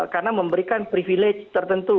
karena memberikan privilege tertentu